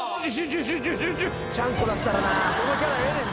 ちゃんこだったらなーそのキャラええねん